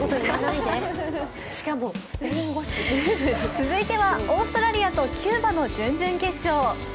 続いてはオーストラリアとキューバの準々決勝。